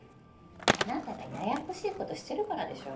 あなたがややこしいことしてるからでしょ。